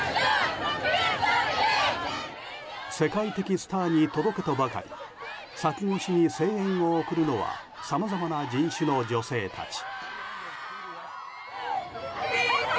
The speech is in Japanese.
世界的スターに届けとばかりに柵越しに声援を送るのはさまざまな人種の女性たち。